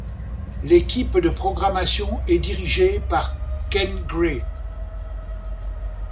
L’équipe de programmation est dirigé par Ken Grey.